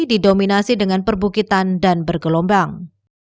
didominasi dengan perbukitan dan bergelombang